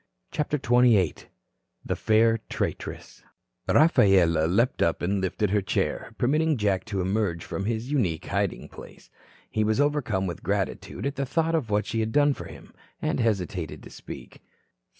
CHAPTER XXVIII THE FAIR TRAITRESS Rafaela leaped up and lifted her chair, permitting Jack to emerge from his unique hiding place. He was overcome with gratitude at the thought of what she had done for him, and hesitated to speak.